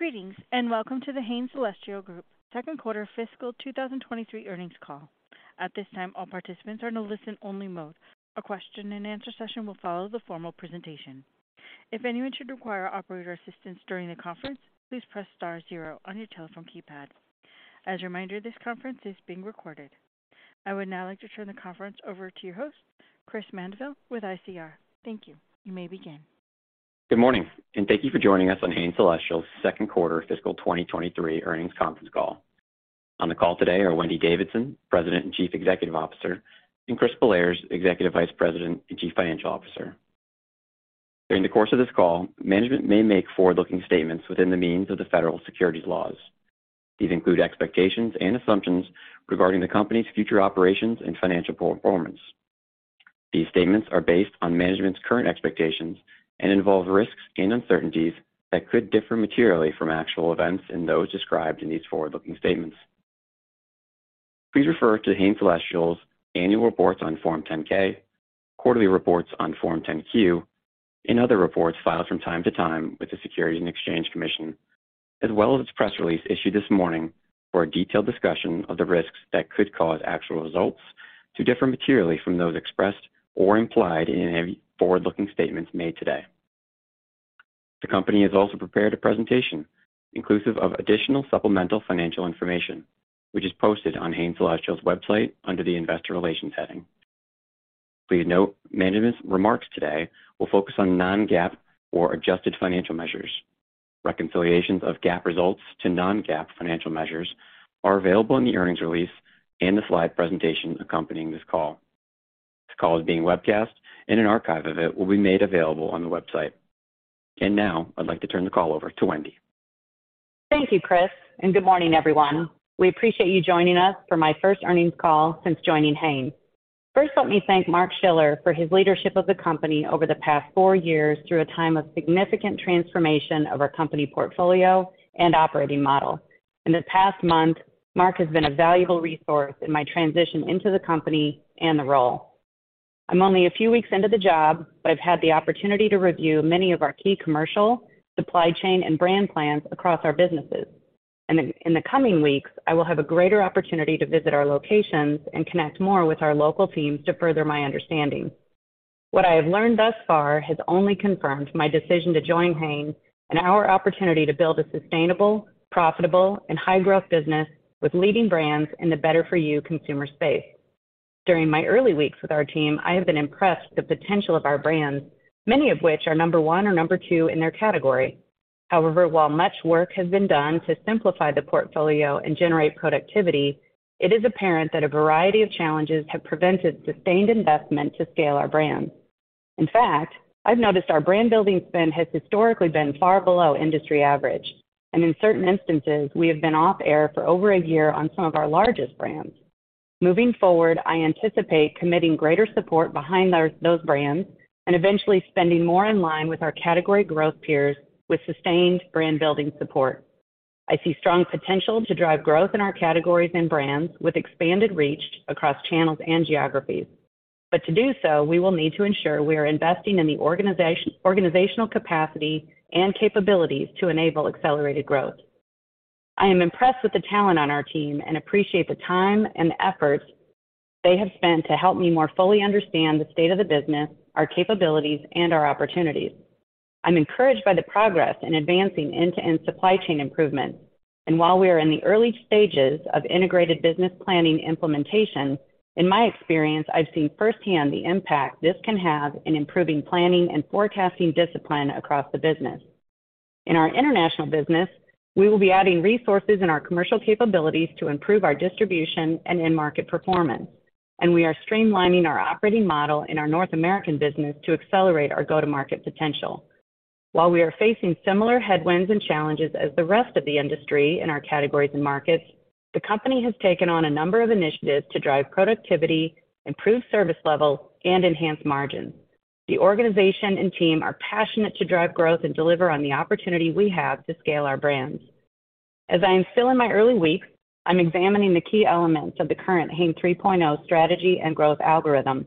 Greetings, welcome to The Hain Celestial Group Second Quarter Fiscal 2023 Earnings Call. At this time, all participants are in a listen only mode. A question and answer session will follow the formal presentation. If anyone should require operator assistance during the conference, please press star zero on your telephone keypad. As a reminder, this conference is being recorded. I would now like to turn the conference over to your host, Chris Mandeville with ICR. Thank you. You may begin. Good morning. Thank you for joining us on Hain Celestial's Second Quarter Fiscal 2023 Earnings Conference Call. On the call today are Wendy Davidson, President and Chief Executive Officer, and Chris Bellairs, Executive Vice President and Chief Financial Officer. During the course of this call, management may make forward-looking statements within the means of the federal securities laws. These include expectations and assumptions regarding the company's future operations and financial performance. These statements are based on management's current expectations and involve risks and uncertainties that could differ materially from actual events in those described in these forward-looking statements. Please refer to Hain Celestial's annual reports on Form 10-K, quarterly reports on Form 10-Q and other reports filed from time to time with the Securities and Exchange Commission, as well as its press release issued this morning for a detailed discussion of the risks that could cause actual results to differ materially from those expressed or implied in any forward-looking statements made today. The company has also prepared a presentation inclusive of additional supplemental financial information, which is posted on Hain Celestial's website under the Investor Relations heading. Please note management's remarks today will focus on non-GAAP or adjusted financial measures. Reconciliations of GAAP results to non-GAAP financial measures are available in the earnings release and the slide presentation accompanying this call. This call is being webcast and an archive of it will be made available on the website. Now I'd like to turn the call over to Wendy. Thank you, Chris. Good morning everyone. We appreciate you joining us for my first earnings call since joining Hain. First, let me thank Mark Schiller for his leadership of the company over the past four years through a time of significant transformation of our company portfolio and operating model. In the past month, Mark has been a valuable resource in my transition into the company and the role. I'm only a few weeks into the job, but I've had the opportunity to review many of our key commercial, supply chain and brand plans across our businesses. In the coming weeks, I will have a greater opportunity to visit our locations and connect more with our local teams to further my understanding. What I have learned thus far has only confirmed my decision to join Hain and our opportunity to build a sustainable, profitable and high-growth business with leading brands in the better for you consumer space. During my early weeks with our team, I have been impressed with the potential of our brands, many of which are number one or number two in their category. However, while much work has been done to simplify the portfolio and generate productivity, it is apparent that a variety of challenges have prevented sustained investment to scale our brands. In fact, I've noticed our brand building spend has historically been far below industry average, and in certain instances we have been off air for over a year on some of our largest brands. Moving forward, I anticipate committing greater support behind those brands and eventually spending more in line with our category growth peers with sustained brand building support. I see strong potential to drive growth in our categories and brands with expanded reach across channels and geographies. To do so, we will need to ensure we are investing in the organizational capacity and capabilities to enable accelerated growth. I am impressed with the talent on our team and appreciate the time and effort they have spent to help me more fully understand the state of the business, our capabilities and our opportunities. I'm encouraged by the progress in advancing end-to-end supply chain improvements. While we are in the early stages of Integrated Business Planning implementation, in my experience, I've seen firsthand the impact this can have in improving planning and forecasting discipline across the business. In our international business, we will be adding resources in our commercial capabilities to improve our distribution and end market performance. We are streamlining our operating model in our North American business to accelerate our go-to-market potential. While we are facing similar headwinds and challenges as the rest of the industry in our categories and markets, the company has taken on a number of initiatives to drive productivity, improve service levels and enhance margins. The organization and team are passionate to drive growth and deliver on the opportunity we have to scale our brands. As I am still in my early weeks, I'm examining the key elements of the current Hain 3.0 strategy and growth algorithm.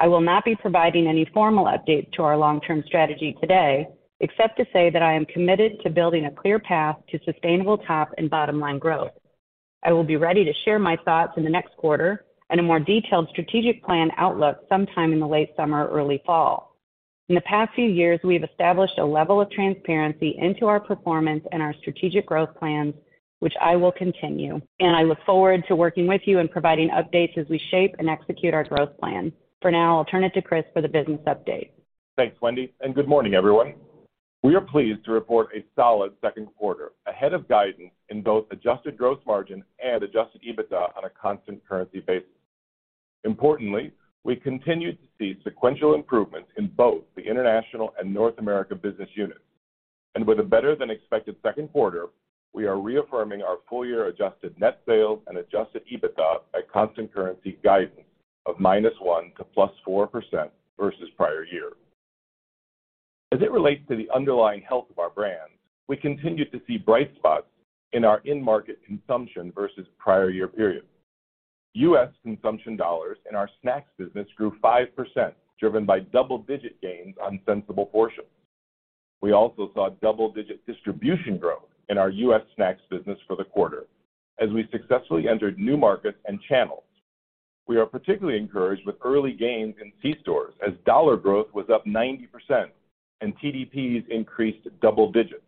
I will not be providing any formal update to our long-term strategy today, except to say that I am committed to building a clear path to sustainable top and bottom line growth. I will be ready to share my thoughts in the next quarter and a more detailed strategic plan outlook sometime in the late summer, early fall. In the past few years, we have established a level of transparency into our performance and our strategic growth plans, which I will continue, and I look forward to working with you and providing updates as we shape and execute our growth plan. For now, I'll turn it to Chris for the business update. Thanks, Wendy. Good morning everyone. We are pleased to report a solid second quarter ahead of guidance in both adjusted gross margin and adjusted EBITDA on a constant currency basis. Importantly, we continued to see sequential improvements in both the international and North America business units. With a better than expected second quarter, we are reaffirming our full year adjusted net sales and adjusted EBITDA at constant currency guidance of -1% to +4% versus prior year. As it relates to the underlying health of our brands, we continue to see bright spots in our in-market consumption versus prior year period. U.S. consumption dollars in our snacks business grew 5%, driven by double-digit gains on Sensible Portions. We also saw double-digit distribution growth in our U.S. snacks business for the quarter as we successfully entered new markets and channels. We are particularly encouraged with early gains in c-stores as dollar growth was up 90% and TDPs increased double digits.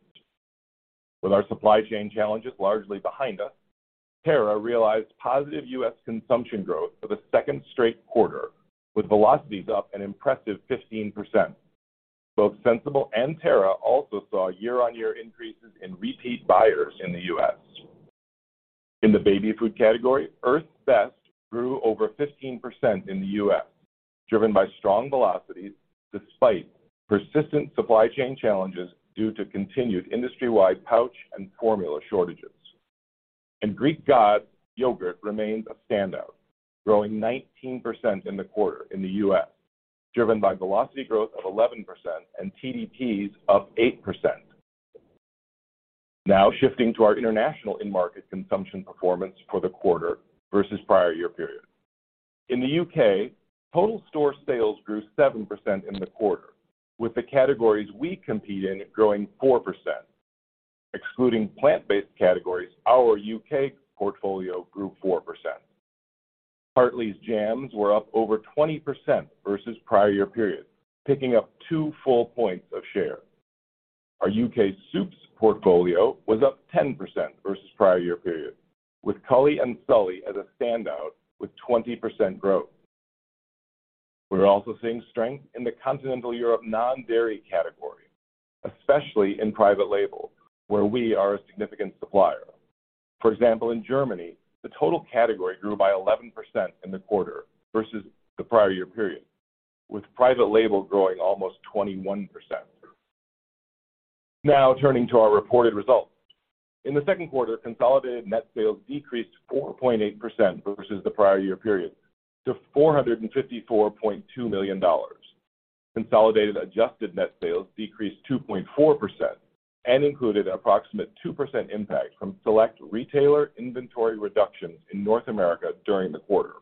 With our supply chain challenges largely behind us, Terra realized positive U.S. consumption growth for the second straight quarter, with velocities up an impressive 15%. Both Sensible and Terra also saw year-on-year increases in repeat buyers in the U.S. In the baby food category, Earth's Best grew over 15% in the U.S., driven by strong velocities despite persistent supply chain challenges due to continued industry-wide pouch and formula shortages. The Greek Gods yogurt remains a standout, growing 19% in the quarter in the U.S., driven by velocity growth of 11% and TDPs up 8%. Now shifting to our international in-market consumption performance for the quarter versus prior year period. In the U.K., total store sales grew 7% in the quarter, with the categories we compete in growing 4%. Excluding plant-based categories, our U.K. portfolio grew 4%. Hartley's jams were up over 20% versus prior year period, picking up two full points of share. Our U.K. soups portfolio was up 10% versus prior year period, with Cully & Sully as a standout with 20% growth. We're also seeing strength in the continental Europe non-dairy category, especially in private label, where we are a significant supplier. For example, in Germany, the total category grew by 11% in the quarter versus the prior year period, with private label growing almost 21%. Turning to our reported results. In the second quarter, consolidated net sales decreased 4.8% versus the prior year period to $454.2 million. Consolidated adjusted net sales decreased 2.4% and included an approximate 2% impact from select retailer inventory reductions in North America during the quarter.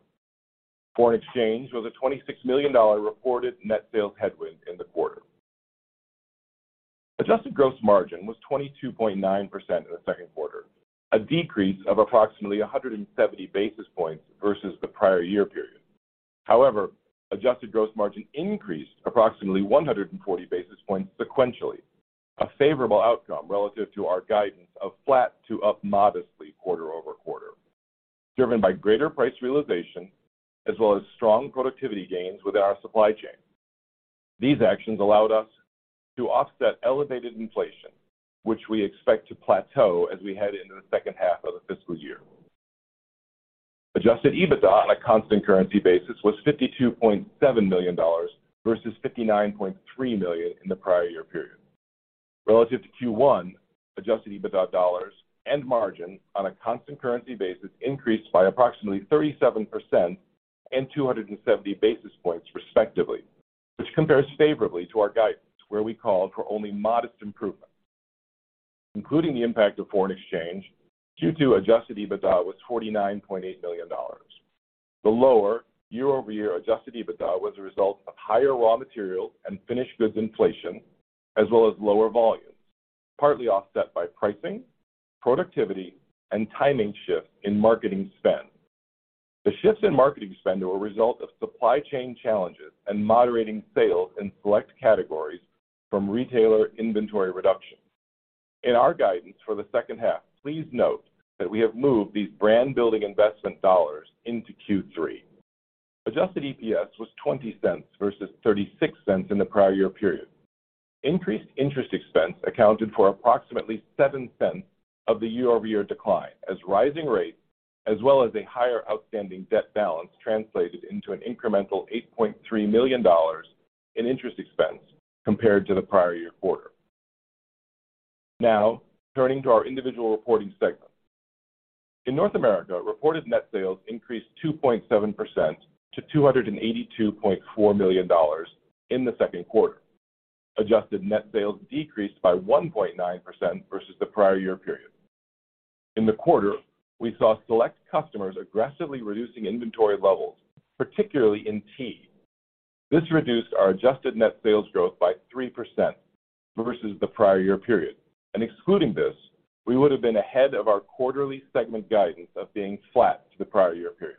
Foreign exchange was a $26 million reported net sales headwind in the quarter. Adjusted gross margin was 22.9% in the second quarter, a decrease of approximately 170 basis points versus the prior year period. Adjusted gross margin increased approximately 140 basis points sequentially, a favorable outcome relative to our guidance of flat to up modestly quarter-over-quarter, driven by greater price realization as well as strong productivity gains within our supply chain. These actions allowed us to offset elevated inflation, which we expect to plateau as we head into the second half of the fiscal year. Adjusted EBITDA on a constant currency basis was $52.7 million versus $59.3 million in the prior year period. Relative to Q1, adjusted EBITDA dollars and margin on a constant currency basis increased by approximately 37% and 270 basis points respectively, which compares favorably to our guidance, where we called for only modest improvement. Including the impact of foreign exchange, Q2 adjusted EBITDA was $49.8 million. The lower year-over-year adjusted EBITDA was a result of higher raw material and finished goods inflation, as well as lower volumes, partly offset by pricing, productivity, and timing shifts in marketing spend. The shifts in marketing spend were a result of supply chain challenges and moderating sales in select categories from retailer inventory reductions. In our guidance for the second half, please note that we have moved these brand-building investment dollars into Q3. Adjusted EPS was $0.20 versus $0.36 in the prior year period. Increased interest expense accounted for approximately $0.07 of the year-over-year decline as rising rates, as well as a higher outstanding debt balance, translated into an incremental $8.3 million in interest expense compared to the prior year quarter. Turning to our individual reporting segments. In North America, reported net sales increased 2.7% to $282.4 million in the second quarter. Adjusted net sales decreased by 1.9% versus the prior year period. In the quarter, we saw select customers aggressively reducing inventory levels, particularly in tea. This reduced our adjusted net sales growth by 3% versus the prior year period. Excluding this, we would have been ahead of our quarterly segment guidance of being flat to the prior year period.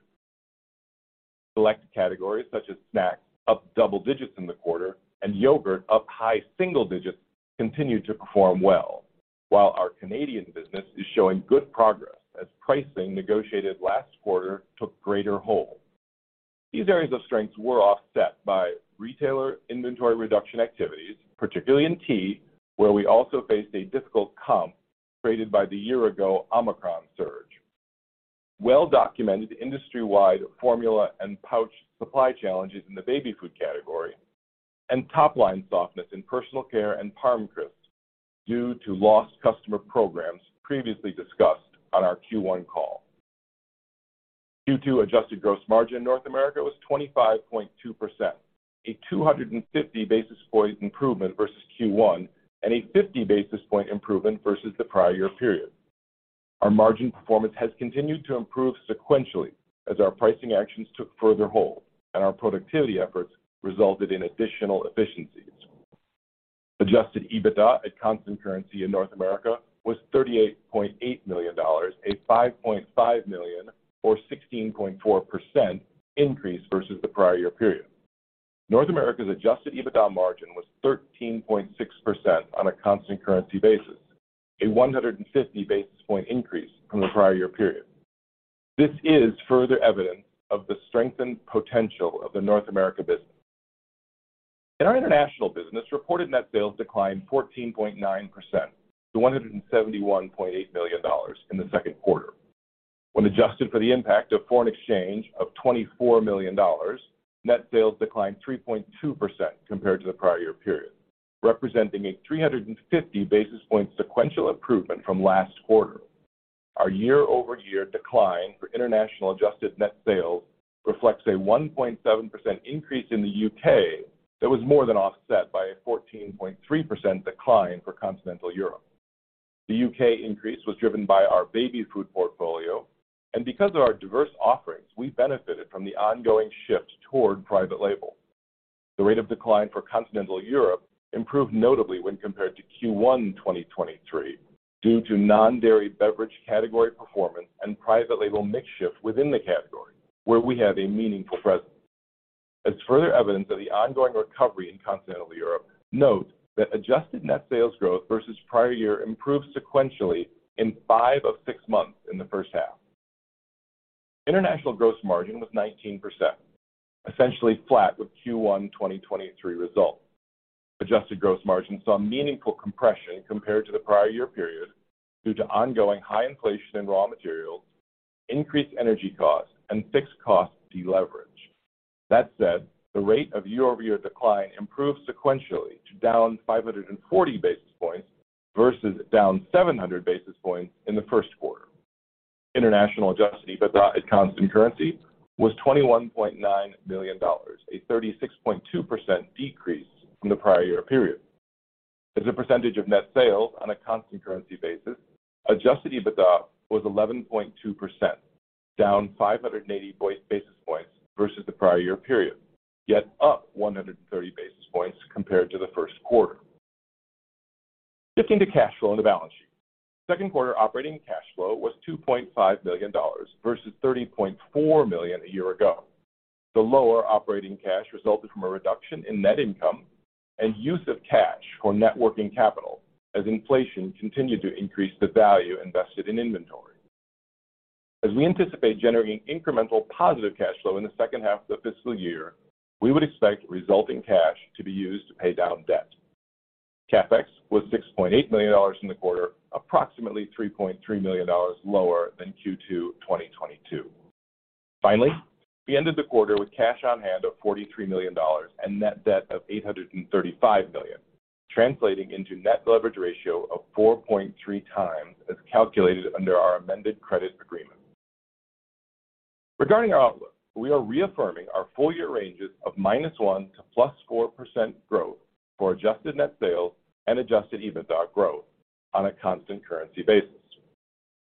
Select categories such as snacks, up double digits in the quarter, and yogurt, up high single digits, continued to perform well. While our Canadian business is showing good progress as pricing negotiated last quarter took greater hold. These areas of strengths were offset by retailer inventory reduction activities, particularly in tea, where we also faced a difficult comp created by the year-ago Omicron surge. Well-documented industry-wide formula and pouch supply challenges in the baby food category and top-line softness in personal care and ParmCrisps due to lost customer programs previously discussed on our Q1 call. Q2 adjusted gross margin in North America was 25.2%. A 250 basis point improvement versus Q1 and a 50 basis point improvement versus the prior year period. Our margin performance has continued to improve sequentially as our pricing actions took further hold and our productivity efforts resulted in additional efficiencies. Adjusted EBITDA at constant currency in North America was $38.8 million, a $5.5 million or 16.4% increase versus the prior year period. North America's adjusted EBITDA margin was 13.6% on a constant currency basis, a 150 basis point increase from the prior year period. This is further evidence of the strengthened potential of the North America business. In our international business, reported net sales declined 14.9% to $171.8 million in the second quarter. When adjusted for the impact of foreign exchange of $24 million, net sales declined 3.2% compared to the prior year period, representing a 350 basis point sequential improvement from last quarter. Our year-over-year decline for international adjusted net sales reflects a 1.7% increase in the U.K. that was more than offset by a 14.3% decline for continental Europe. The U.K. increase was driven by our baby food portfolio. Because of our diverse offerings, we benefited from the ongoing shift toward private label. The rate of decline for continental Europe improved notably when compared to Q1 2023 due to non-dairy beverage category performance and private label mix shift within the category where we have a meaningful presence. As further evidence of the ongoing recovery in continental Europe, note that adjusted net sales growth versus prior year improved sequentially in five of six months in the first half. International gross margin was 19%, essentially flat with Q1 2023 results. Adjusted gross margin saw meaningful compression compared to the prior year period due to ongoing high inflation in raw materials, increased energy costs, and fixed cost deleverage. That said, the rate of year-over-year decline improved sequentially to down 540 basis points versus down 700 basis points in the first quarter. International adjusted EBITDA at constant currency was $21.9 million, a 36.2% decrease from the prior year period. As a percentage of net sales on a constant currency basis, adjusted EBITDA was 11.2%, down 580 basis points versus the prior year period, yet up 130 basis points compared to the first quarter. Shifting to cash flow in the balance sheet. Second quarter operating cash flow was $2.5 million versus $30.4 million a year ago. The lower operating cash resulted from a reduction in net income and use of cash for net working capital as inflation continued to increase the value invested in inventory. As we anticipate generating incremental positive cash flow in the second half of the fiscal year, we would expect resulting cash to be used to pay down debt. CapEx was $6.8 million in the quarter, approximately $3.3 million lower than Q2 2022. Finally, we ended the quarter with cash on hand of $43 million and net debt of $835 million, translating into net leverage ratio of 4.3x as calculated under our amended credit agreement. Regarding our outlook, we are reaffirming our full year ranges of -1% to +4% growth for adjusted net sales and adjusted EBITDA growth on a constant currency basis.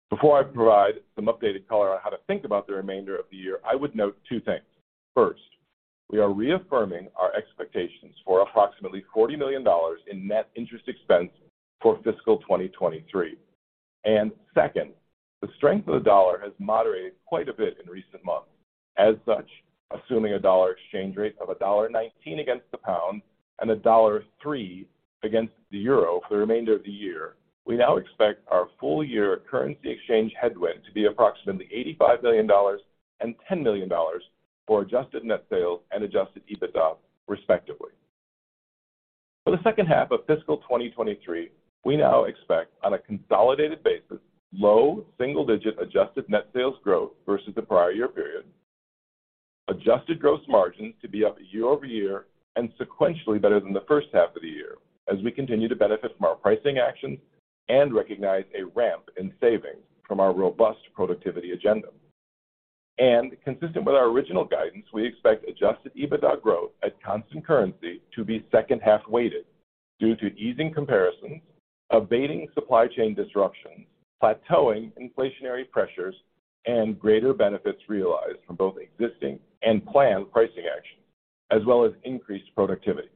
Before I provide some updated color on how to think about the remainder of the year, I would note two things. First, we are reaffirming our expectations for approximately $40 million in net interest expense for fiscal 2023. Second, the strength of the dollar has moderated quite a bit in recent months. As such, assuming a dollar exchange rate of $1.19 against the GBP and $1.03 against the EUR for the remainder of the year, we now expect our full year currency exchange headwind to be approximately $85 million and $10 million for adjusted net sales and adjusted EBITDA, respectively. For the second half of fiscal 2023, we now expect, on a consolidated basis, low single digit adjusted net sales growth versus the prior year period. Adjusted gross margin to be up year-over-year and sequentially better than the first half of the year as we continue to benefit from our pricing actions and recognize a ramp in savings from our robust productivity agenda. Consistent with our original guidance, we expect adjusted EBITDA growth at constant currency to be second-half weighted due to easing comparisons, abating supply chain disruptions, plateauing inflationary pressures, and greater benefits realized from both existing and planned pricing actions, as well as increased productivity.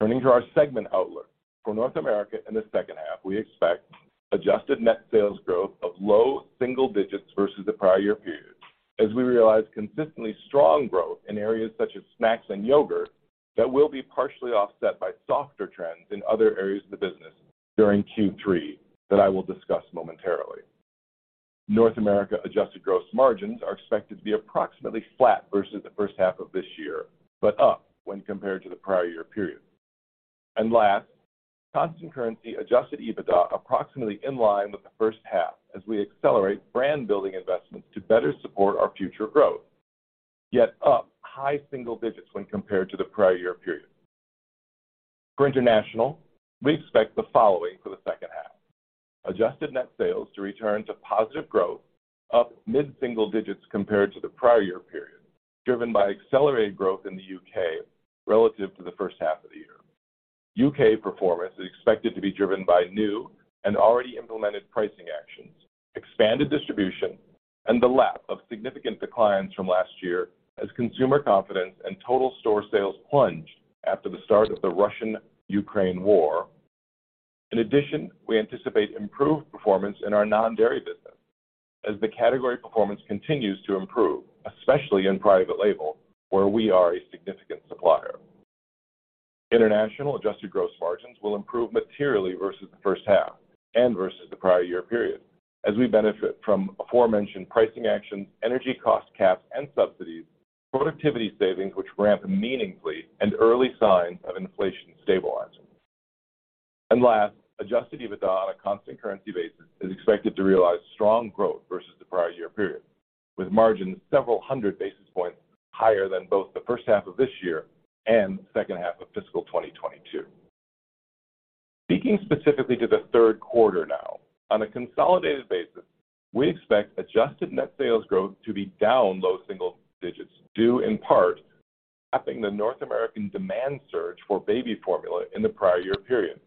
Turning to our segment outlook. For North America in the second half, we expect adjusted net sales growth of low single digits versus the prior year period as we realize consistently strong growth in areas such as snacks and yogurt that will be partially offset by softer trends in other areas of the business during Q3 that I will discuss momentarily. North America adjusted gross margins are expected to be approximately flat versus the first half of this year, but up when compared to the prior year period. Last, constant currency adjusted EBITDA approximately in line with the first half as we accelerate brand building investments to better support our future growth, yet up high single digits when compared to the prior year period. For international, we expect the following for the second half. Adjusted net sales to return to positive growth up mid-single digits compared to the prior year period, driven by accelerated growth in the U.K. relative to the first half of the year. U.K. performance is expected to be driven by new and already implemented pricing actions, expanded distribution and the lap of significant declines from last year as consumer confidence and total store sales plunged after the start of the Russo-Ukrainian war. In addition, we anticipate improved performance in our non-dairy business as the category performance continues to improve, especially in private label, where we are a significant supplier. International adjusted gross margins will improve materially versus the first half and versus the prior year period as we benefit from aforementioned pricing actions, energy cost caps and subsidies, productivity savings which ramp meaningfully and early signs of inflation stabilizing. Last, adjusted EBITDA on a constant currency basis is expected to realize strong growth versus the prior year period, with margins several hundred basis points higher than both the first half of this year and second half of fiscal 2022. Speaking specifically to the third quarter now, on a consolidated basis, we expect adjusted net sales growth to be down low single digits, due in part to lapping the North American demand surge for baby formula in the prior year period,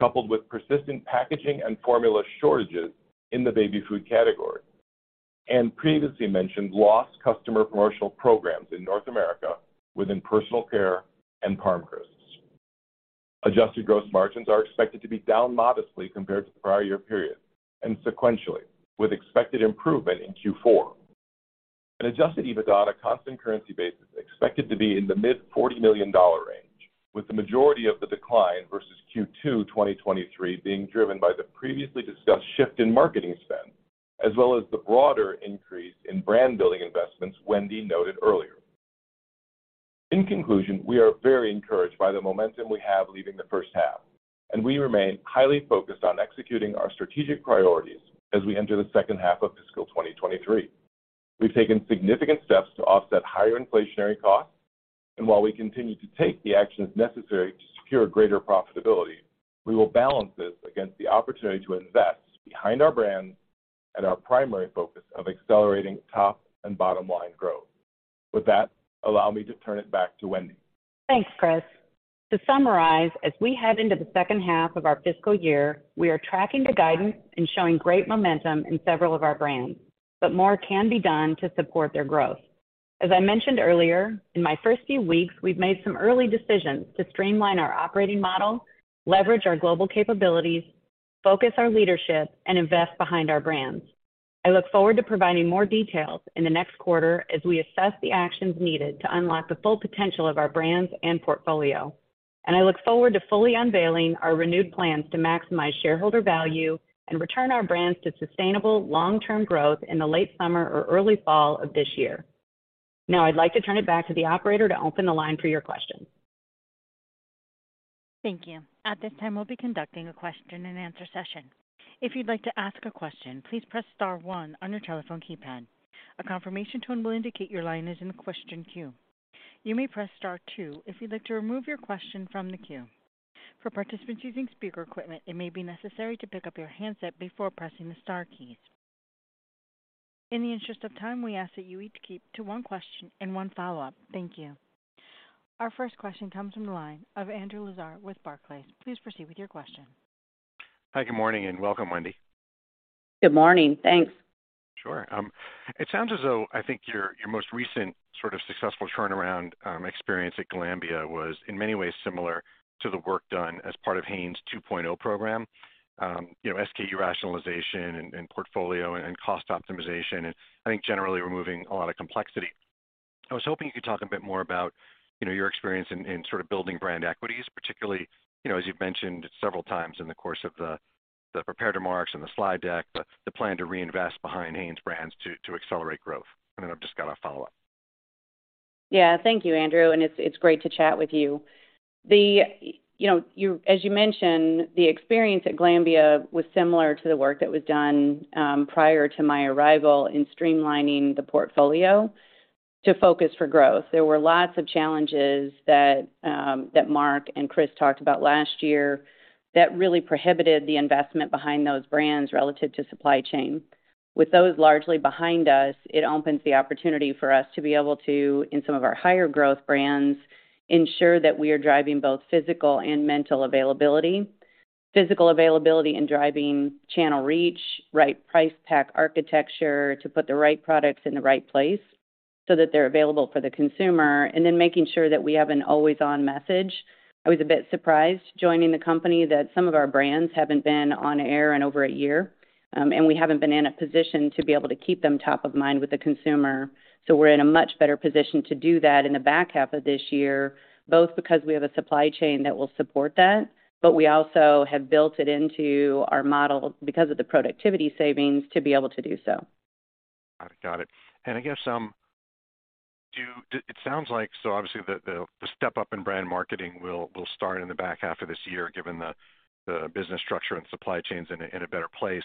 coupled with persistent packaging and formula shortages in the baby food category and previously mentioned lost customer commercial programs in North America within personal care and ParmCrisps. Adjusted gross margins are expected to be down modestly compared to the prior year period and sequentially with expected improvement in Q4. Adjusted EBITDA on a constant currency basis is expected to be in the mid $40 million range, with the majority of the decline versus Q2 2023 being driven by the previously discussed shift in marketing spend, as well as the broader increase in brand building investments Wendy noted earlier. In conclusion, we are very encouraged by the momentum we have leaving the first half, and we remain highly focused on executing our strategic priorities as we enter the second half of fiscal 2023. We've taken significant steps to offset higher inflationary costs, and while we continue to take the actions necessary to secure greater profitability, we will balance this against the opportunity to invest behind our brands and our primary focus of accelerating top and bottom line growth. With that, allow me to turn it back to Wendy. Thanks, Chris. To summarize, as we head into the second half of our fiscal year, we are tracking to guidance and showing great momentum in several of our brands, but more can be done to support their growth. As I mentioned earlier, in my first few weeks, we've made some early decisions to streamline our operating model, leverage our global capabilities, focus our leadership, and invest behind our brands. I look forward to providing more details in the next quarter as we assess the actions needed to unlock the full potential of our brands and portfolio. I look forward to fully unveiling our renewed plans to maximize shareholder value and return our brands to sustainable long-term growth in the late summer or early fall of this year. Now I'd like to turn it back to the operator to open the line for your questions. Thank you. At this time, we'll be conducting a question and answer session. If you'd like to ask a question, please press star one on your telephone keypad. A confirmation tone will indicate your line is in the question queue. You may press star two if you'd like to remove your question from the queue. For participants using speaker equipment, it may be necessary to pick up your handset before pressing the star keys. In the interest of time, we ask that you each keep to one question and one follow-up. Thank you. Our first question comes from the line of Andrew Lazar with Barclays. Please proceed with your question. Hi, good morning and welcome, Wendy. Good morning. Thanks. Sure. It sounds as though I think your most recent sort of successful turnaround, experience at Glanbia was in many ways similar to the work done as part of Hain 2.0 program, you know, SKU rationalization and portfolio and cost optimization, and I think generally removing a lot of complexity. I was hoping you could talk a bit more about, you know, your experience in sort of building brand equities, particularly, you know, as you've mentioned several times in the course of the prepared remarks and the slide deck, the plan to reinvest behind Hain's brands to accelerate growth. I've just got a follow-up. Yeah, thank you, Andrew, and it's great to chat with you. You know, as you mentioned, the experience at Glanbia was similar to the work that was done prior to my arrival in streamlining the portfolio to focus for growth. There were lots of challenges that Mark and Chris talked about last year that really prohibited the investment behind those brands relative to supply chain. With those largely behind us, it opens the opportunity for us to be able to, in some of our higher growth brands, ensure that we are driving both physical and mental availability. Physical availability and driving channel reach, right price pack architecture to put the right products in the right place so that they're available for the consumer, and then making sure that we have an always-on message. I was a bit surprised joining the company that some of our brands haven't been on air in over a year, and we haven't been in a position to be able to keep them top of mind with the consumer. We're in a much better position to do that in the back half of this year, both because we have a supply chain that will support that, but we also have built it into our model because of the productivity savings to be able to do so. Got it. I guess, it sounds like, obviously the step up in brand marketing will start in the back half of this year, given the business structure and supply chains in a better place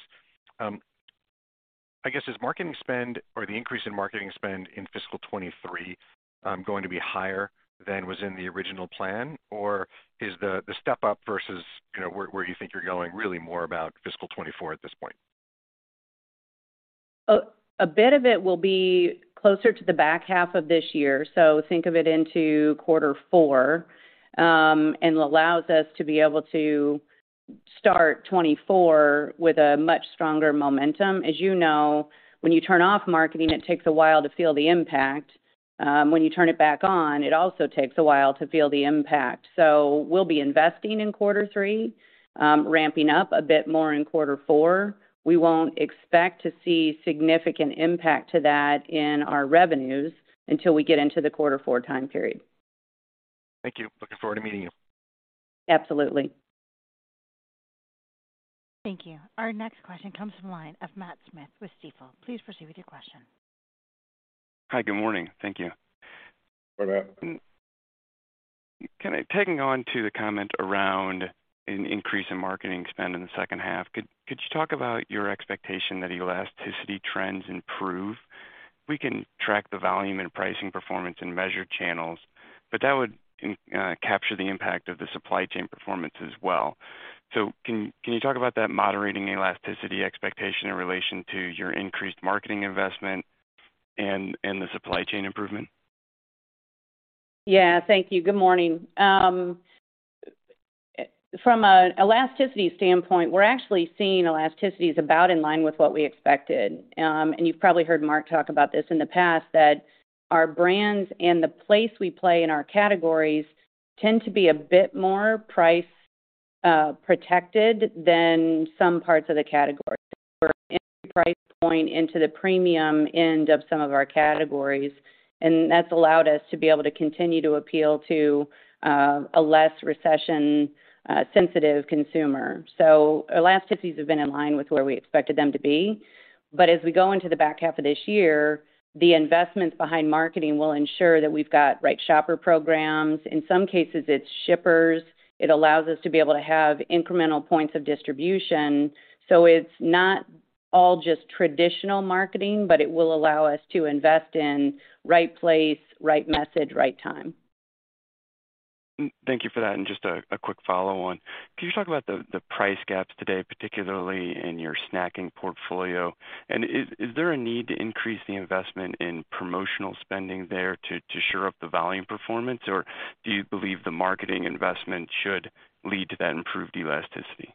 is marketing spend or the increase in marketing spend in fiscal 2023 going to be higher than was in the original plan? Or is the step up versus where you think you're going really more about fiscal 2024 at this point? A bit of it will be closer to the back half of this year, so think of it into quarter four. Allows us to be able to start 2024 with a much stronger momentum. As you know, when you turn off marketing, it takes a while to feel the impact. When you turn it back on, it also takes a while to feel the impact. We'll be investing in quarter three, ramping up a bit more in quarter four. We won't expect to see significant impact to that in our revenues until we get into the quarter four time period. Thank you. Looking forward to meeting you. Absolutely. Thank you. Our next question comes from the line of Matthew Smith with Stifel. Please proceed with your question. Hi, good morning. Thank you. Good morning. Taking on to the comment around an increase in marketing spend in the second half, could you talk about your expectation that elasticity trends improve? We can track the volume and pricing performance in measured channels, but that would capture the impact of the supply chain performance as well. Can you talk about that moderating elasticity expectation in relation to your increased marketing investment and the supply chain improvement? Yeah. Thank you. Good morning. From an elasticity standpoint, we're actually seeing elasticities about in line with what we expected. You've probably heard Mark talk about this in the past, that our brands and the place we play in our categories tend to be a bit more price protected than some parts of the category. We're entry price point into the premium end of some of our categories, and that's allowed us to be able to continue to appeal to a less recession sensitive consumer. Elasticities have been in line with where we expected them to be. As we go into the back half of this year, the investments behind marketing will ensure that we've got right shopper programs. In some cases, it's shippers. It allows us to be able to have incremental points of distribution. It's not all just traditional marketing, but it will allow us to invest in right place, right message, right time. Thank you for that. Just a quick follow-on. Can you talk about the price gaps today, particularly in your snacking portfolio? Is there a need to increase the investment in promotional spending there to sure up the volume performance, or do you believe the marketing investment should lead to that improved elasticity?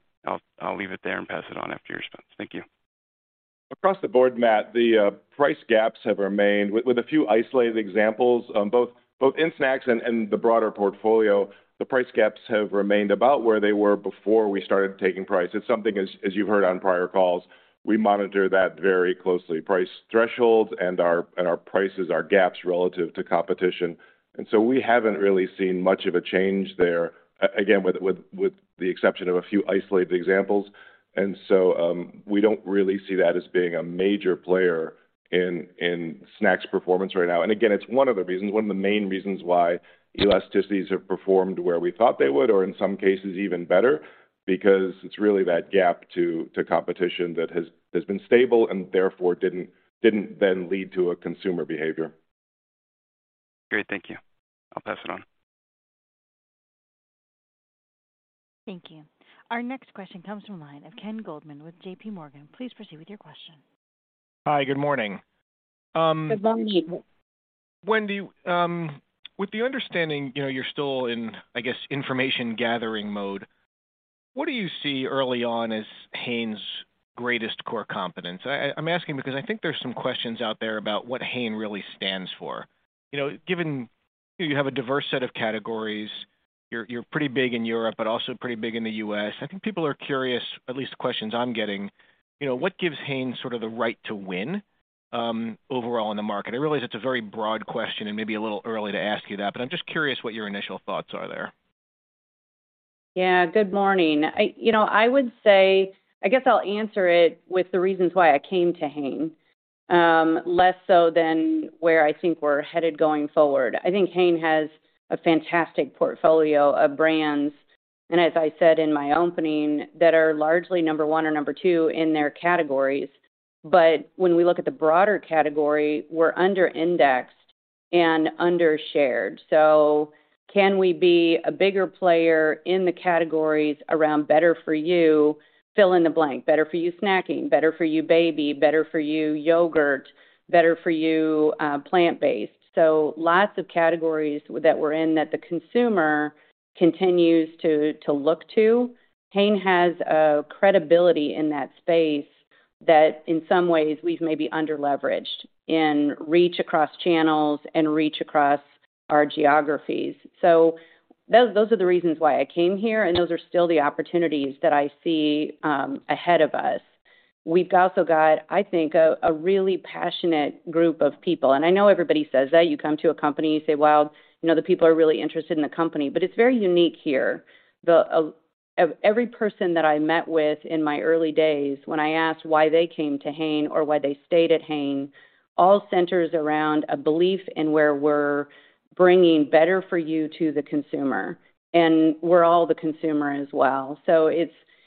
I'll leave it there and pass it on after your response. Thank you. Across the board, Matt, the price gaps have remained with a few isolated examples, both in snacks and the broader portfolio. The price gaps have remained about where they were before we started taking price. It's something as you've heard on prior calls, we monitor that very closely. Price thresholds and our prices are gaps relative to competition. We haven't really seen much of a change there, again, with the exception of a few isolated examples. We don't really see that as being a major player in snacks performance right now. Again, it's one of the reasons, one of the main reasons why elasticities have performed where we thought they would or in some cases even better, because it's really that gap to competition that has been stable and therefore didn't then lead to a consumer behavior. Great. Thank you. I'll pass it on. Thank you. Our next question comes from line of Ken Goldman with J.P. Morgan. Please proceed with your question. Hi, good morning. Good morning. Wendy, with the understanding, you know, you're still in, I guess, information gathering mode, what do you see early on as Hain's greatest core competence? I'm asking because I think there's some questions out there about what Hain really stands for. You know, given you have a diverse set of categories, you're pretty big in Europe, but also pretty big in the U.S. I think people are curious, at least the questions I'm getting, you know, what gives Hain sort of the right to win overall in the market? I realize it's a very broad question and maybe a little early to ask you that, but I'm just curious what your initial thoughts are there. Good morning. You know, I would say, I guess I'll answer it with the reasons why I came to Hain, less so than where I think we're headed going forward. I think Hain has a fantastic portfolio of brands, and as I said in my opening, that are largely number one or number two in their categories. When we look at the broader category, we're under-indexed and under-shared. Can we be a bigger player in the categories around better for you? Fill in the blank. Better for you snacking, better for you baby, better for you yogurt, better for you plant-based. Lots of categories that we're in that the consumer continues to look to. Hain has a credibility in that space that in some ways we've maybe under-leveraged in reach across channels and reach across our geographies. Those are the reasons why I came here, and those are still the opportunities that I see ahead of us. We've also got, I think, a really passionate group of people. I know everybody says that. You come to a company, you say, "Well, you know, the people are really interested in the company." It's very unique here. Every person that I met with in my early days when I asked why they came to Hain or why they stayed at Hain, all centers around a belief in where we're bringing better for you to the consumer, and we're all the consumer as well.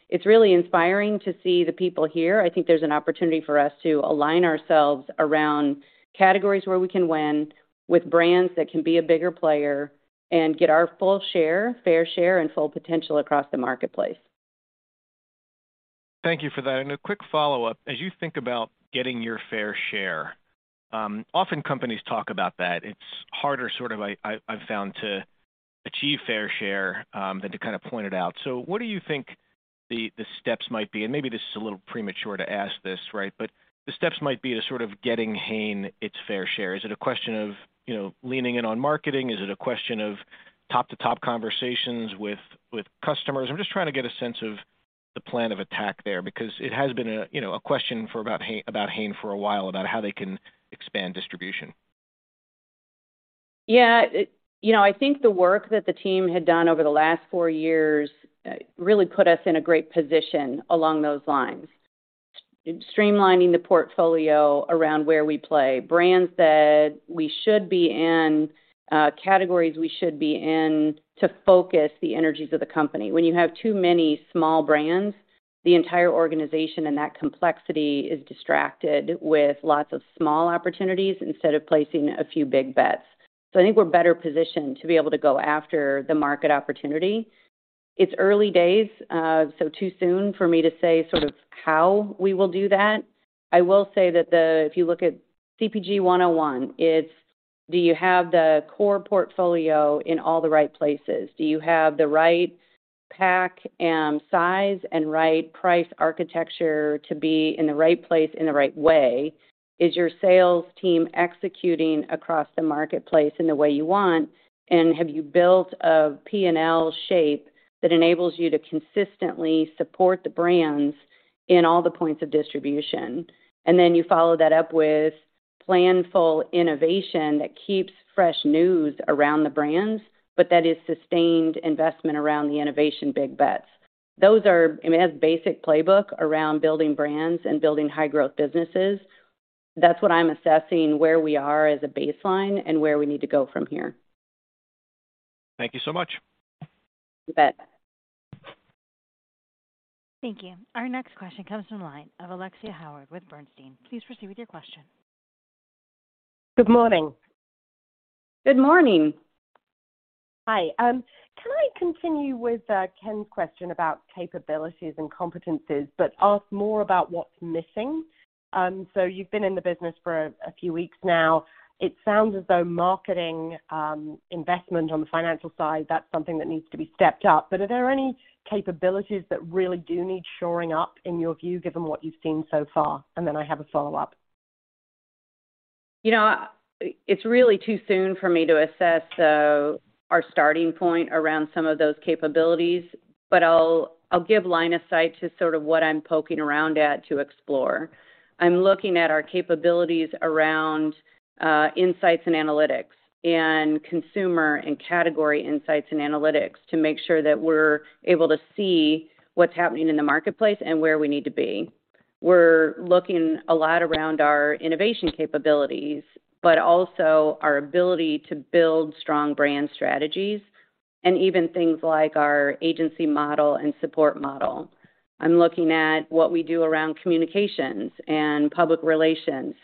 It's really inspiring to see the people here. I think there's an opportunity for us to align ourselves around categories where we can win with brands that can be a bigger player and get our full share, fair share, and full potential across the marketplace. Thank you for that. A quick follow-up. As you think about getting your fair share, often companies talk about that. It's harder, sort of I, I've found, to achieve fair share than to kind of point it out. What do you think the steps might be, and maybe this is a little premature to ask this, right? The steps might be to sort of getting Hain its fair share. Is it a question of, you know, leaning in on marketing? Is it a question of top-to-top conversations with customers? I'm just trying to get a sense of the plan of attack there because it has been a, you know, a question for about Hain for a while about how they can expand distribution. Yeah. You know, I think the work that the team had done over the last four years really put us in a great position along those lines. Streamlining the portfolio around where we play, brands that we should be in, categories we should be in to focus the energies of the company. When you have too many small brands, the entire organization and that complexity is distracted with lots of small opportunities instead of placing a few big bets. I think we're better positioned to be able to go after the market opportunity. It's early days, too soon for me to say sort of how we will do that. I will say that if you look at CPG 101, it's do you have the core portfolio in all the right places? Do you have the right pack and size and right price architecture to be in the right place in the right way? Is your sales team executing across the marketplace in the way you want? Have you built a P&L shape that enables you to consistently support the brands in all the points of distribution? You follow that up with planful innovation that keeps fresh news around the brands, but that is sustained investment around the innovation big bets. Those are, I mean, as basic playbook around building brands and building high-growth businesses. That's what I'm assessing where we are as a baseline and where we need to go from here. Thank you so much. You bet. Thank you. Our next question comes from line of Alexia Howard with Bernstein. Please proceed with your question. Good morning. Good morning. Hi. Can I continue with Ken's question about capabilities and competencies, but ask more about what's missing? So you've been in the business for a few weeks now. It sounds as though marketing, investment on the financial side, that's something that needs to be stepped up. Are there any capabilities that really do need shoring up in your view, given what you've seen so far? I have a follow-up. You know, it's really too soon for me to assess our starting point around some of those capabilities, but I'll give line of sight to sort of what I'm poking around at to explore. I'm looking at our capabilities around insights and analytics and consumer and category insights and analytics to make sure that we're able to see what's happening in the marketplace and where we need to be. We're looking a lot around our innovation capabilities, but also our ability to build strong brand strategies and even things like our agency model and support model. I'm looking at what we do around communications and public relations.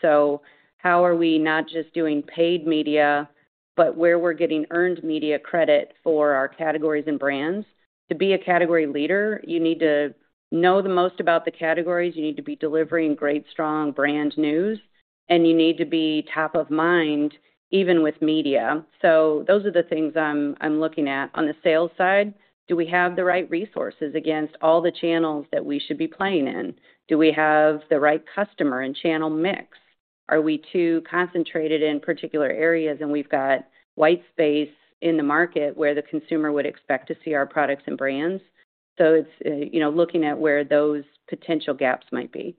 How are we not just doing paid media, but where we're getting earned media credit for our categories and brands. To be a category leader, you need to know the most about the categories, you need to be delivering great, strong brand news, and you need to be top of mind even with media. Those are the things I'm looking at. On the sales side, do we have the right resources against all the channels that we should be playing in? Do we have the right customer and channel mix? Are we too concentrated in particular areas and we've got white space in the market where the consumer would expect to see our products and brands? It's, you know, looking at where those potential gaps might be.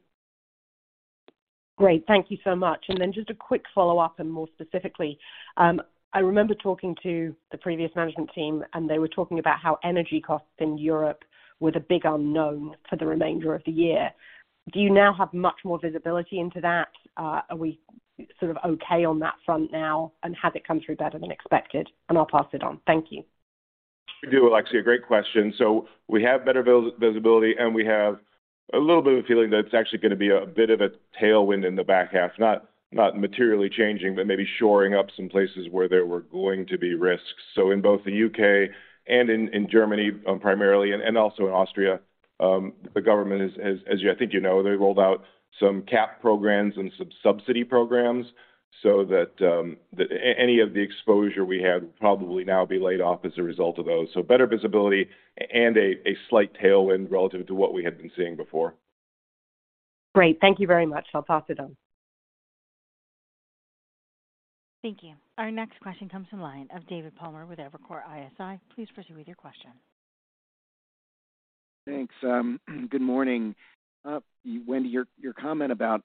Great. Thank you so much. Just a quick follow-up and more specifically, I remember talking to the previous management team, and they were talking about how energy costs in Europe were the big unknown for the remainder of the year. Do you now have much more visibility into that? Are we sort of okay on that front now? Has it come through better than expected? I'll pass it on. Thank you. We do, Alexia. Great question. We have better visibility, and we have a little bit of a feeling that it's actually gonna be a bit of a tailwind in the back half, not materially changing, but maybe shoring up some places where there were going to be risks. In both the U.K. and in Germany, primarily, and also in Austria, the government, as you know, they've rolled out some cap programs and some subsidy programs so that any of the exposure we had will probably now be laid off as a result of those. Better visibility and a slight tailwind relative to what we had been seeing before. Great. Thank you very much. I'll pass it on. Thank you. Our next question comes from line of David Palmer with Evercore ISI. Please proceed with your question. Thanks. Good morning. Wendy, your comment about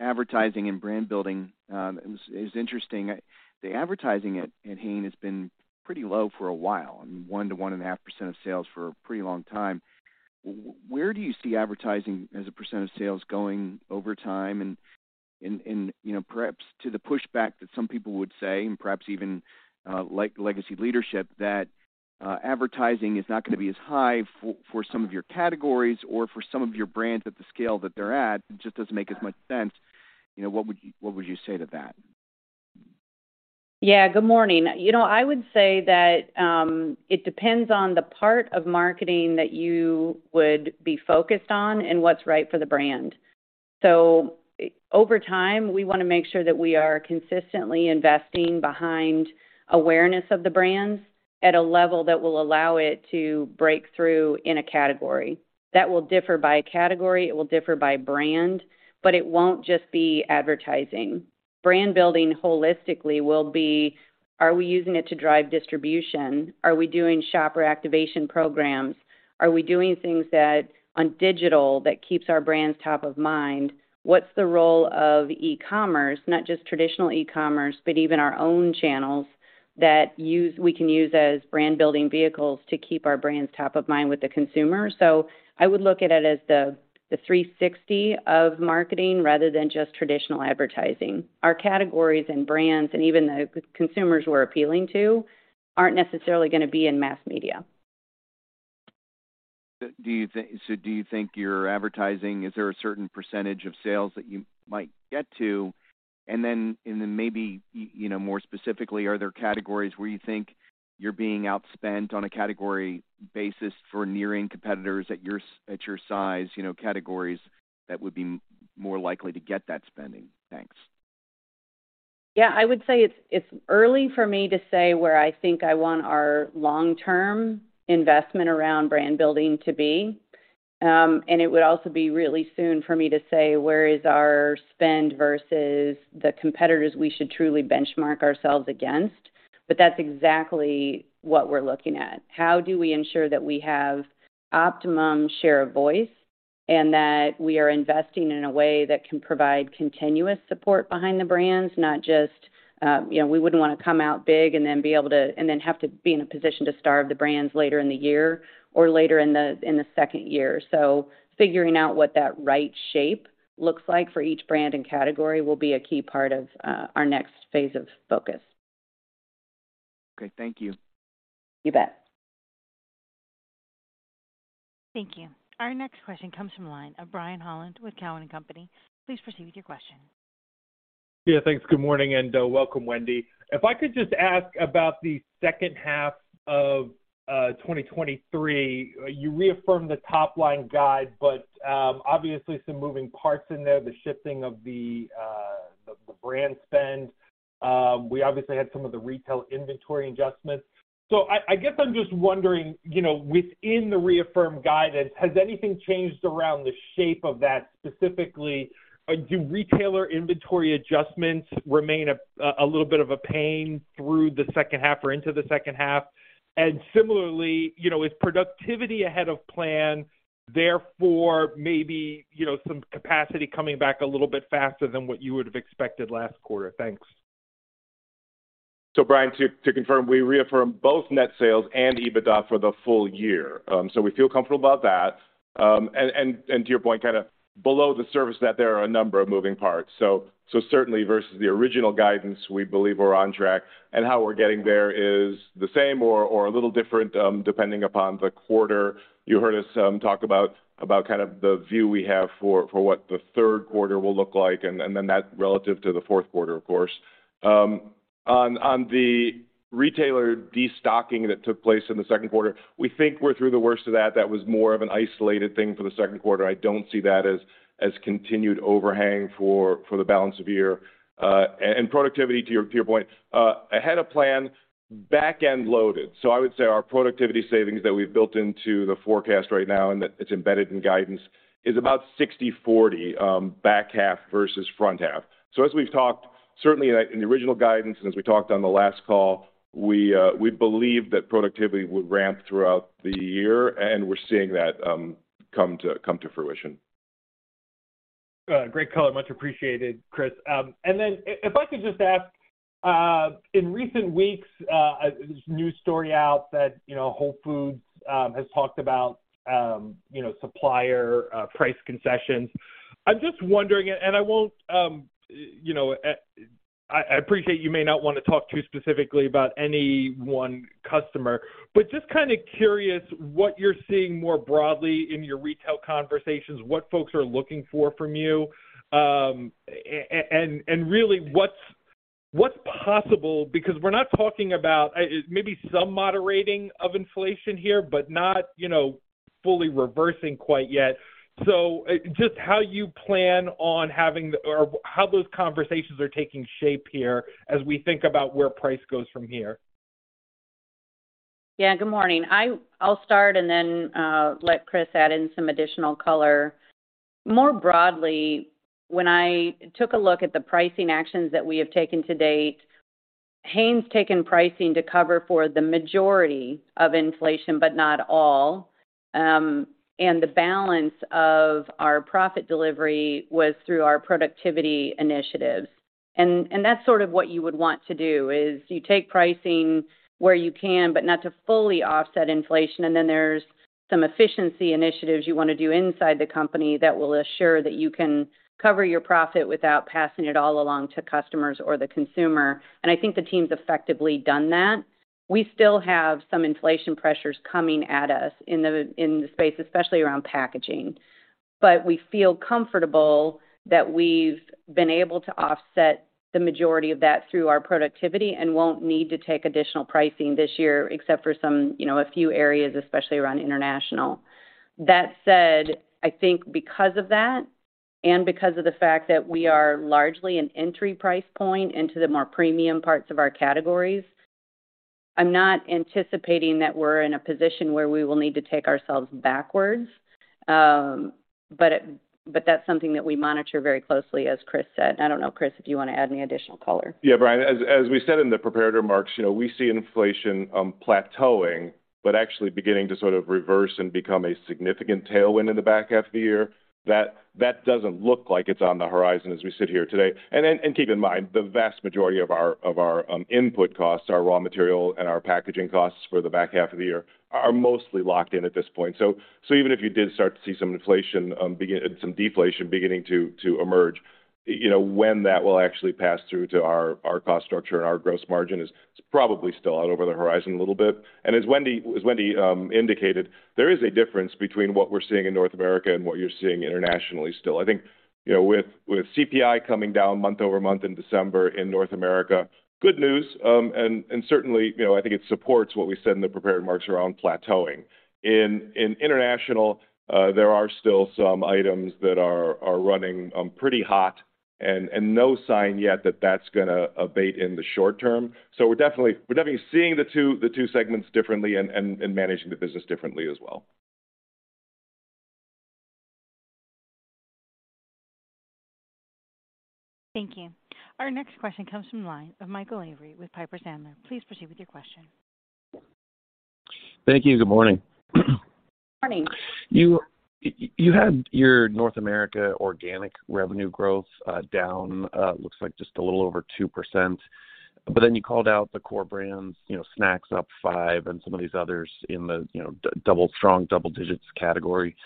advertising and brand building is interesting. The advertising at Hain has been pretty low for a while, 1%-1.5% of sales for a pretty long time. Where do you see advertising as a percent of sales going over time and, you know, perhaps to the pushback that some people would say, and perhaps even like legacy leadership, that advertising is not gonna be as high for some of your categories or for some of your brands at the scale that they're at, it just doesn't make as much sense. You know, what would you say to that? Good morning. You know, I would say that it depends on the part of marketing that you would be focused on and what's right for the brand. Over time, we wanna make sure that we are consistently investing behind awareness of the brands at a level that will allow it to break through in a category. That will differ by category, it will differ by brand, but it won't just be advertising. Brand building holistically will be, are we using it to drive distribution? Are we doing shopper activation programs? Are we doing things on digital that keeps our brands top of mind? What's the role of e-commerce, not just traditional e-commerce, but even our own channels we can use as brand-building vehicles to keep our brands top of mind with the consumer. I would look at it as the 360 of marketing rather than just traditional advertising. Our categories and brands, and even the consumers we're appealing to, aren't necessarily gonna be in mass media. Do you think your advertising, is there a certain % of sales that you might get to? And then maybe more specifically, are there categories where you think you're being outspent on a category basis for nearing competitors at your size, you know, categories that would be more likely to get that spending? Thanks. I would say it's early for me to say where I think I want our long-term investment around brand building to be. It would also be really soon for me to say, where is our spend versus the competitors we should truly benchmark ourselves against. That's exactly what we're looking at. How do we ensure that we have optimum share of voice and that we are investing in a way that can provide continuous support behind the brands, not just we wouldn't wanna come out big and then have to be in a position to starve the brands later in the year or later in the second year. Figuring out what that right shape looks like for each brand and category will be a key part of our next phase of focus. Okay. Thank you. You bet. Thank you. Our next question comes from the line of Brian Holland with Cowen and Company. Please proceed with your question. Yeah, thanks. Good morning, and welcome, Wendy. If I could just ask about the second half of 2023. You reaffirmed the top line guide, but obviously some moving parts in there, the shifting of the brand spend. We obviously had some of the retail inventory adjustments. I guess I'm just wondering, you know, within the reaffirmed guidance, has anything changed around the shape of that specifically? Do retailer inventory adjustments remain a little bit of a pain through the second half or into the second half? Similarly, you know, is productivity ahead of plan, therefore, maybe, you know, some capacity coming back a little bit faster than what you would have expected last quarter? Thanks. Brian, to confirm, we reaffirmed both net sales and EBITDA for the full year. We feel comfortable about that. To your point, kind of below the surface that there are a number of moving parts. Certainly versus the original guidance, we believe we're on track and how we're getting there is the same or a little different, depending upon the quarter. You heard us talk about kind of the view we have for what the third quarter will look like, and then that relative to the fourth quarter, of course. On the retailer destocking that took place in the second quarter, we think we're through the worst of that. That was more of an isolated thing for the second quarter. I don't see that as continued overhang for the balance of the year. Productivity, to your point, ahead of plan, back-end loaded. I would say our productivity savings that we've built into the forecast right now and that it's embedded in guidance is about 60/40 back half versus front half. As we've talked, certainly in the original guidance and as we talked on the last call, we believe that productivity would ramp throughout the year, and we're seeing that come to fruition. Great color. Much appreciated, Chris. If I could just ask, in recent weeks, there's a new story out that, you know, Whole Foods has talked about, you know, supplier price concessions. I'm just wondering, and I won't, you know. I appreciate you may not want to talk too specifically about any one customer, but just kind of curious what you're seeing more broadly in your retail conversations, what folks are looking for from you, and really what's possible, because we're not talking about maybe some moderating of inflation here, but not, you know, fully reversing quite yet. Just how you plan on having or how those conversations are taking shape here as we think about where price goes from here? Good morning. I'll start and then let Chris add in some additional color. More broadly, when I took a look at the pricing actions that we have taken to date. Hain's taken pricing to cover for the majority of inflation, but not all. The balance of our profit delivery was through our productivity initiatives. That's sort of what you would want to do, is you take pricing where you can, but not to fully offset inflation. Then there's some efficiency initiatives you wanna do inside the company that will assure that you can cover your profit without passing it all along to customers or the consumer. I think the team's effectively done that. We still have some inflation pressures coming at us in the, in the space, especially around packaging. We feel comfortable that we've been able to offset the majority of that through our productivity and won't need to take additional pricing this year except for some, you know, a few areas, especially around international. That said, I think because of that and because of the fact that we are largely an entry price point into the more premium parts of our categories, I'm not anticipating that we're in a position where we will need to take ourselves backwards. That's something that we monitor very closely, as Chris said. I don't know, Chris, if you wanna add any additional color. Yeah, Brian, as we said in the prepared remarks, you know, we see inflation plateauing, but actually beginning to sort of reverse and become a significant tailwind in the back half of the year. That doesn't look like it's on the horizon as we sit here today. Keep in mind, the vast majority of our input costs, our raw material and our packaging costs for the back half of the year are mostly locked in at this point. Even if you did start to see some inflation, some deflation beginning to emerge, you know, when that will actually pass through to our cost structure and our gross margin is probably still out over the horizon a little bit. As Wendy indicated, there is a difference between what we're seeing in North America and what you're seeing internationally still. I think, you know, with CPI coming down month-over-month in December in North America, good news. Certainly, you know, I think it supports what we said in the prepared remarks around plateauing. In international, there are still some items that are running pretty hot and no sign yet that that's gonna abate in the short term. We're definitely seeing the two segments differently and managing the business differently as well. Thank you. Our next question comes from the line of Michael Lavery with Piper Sandler. Please proceed with your question. Thank you. Good morning. Morning. You had your North America organic revenue growth, down, looks like just a little over 2%. You called out the core brands, you know, snacks up 5% and some of these others in the, you know, double strong, double-digits category.